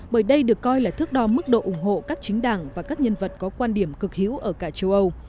bởi đây được coi là thước đo mức độ ủng hộ các chính đảng và các nhân vật có quan điểm cực hữu ở cả châu âu